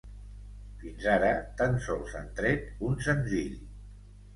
Fins ara tan sols han tret un senzill.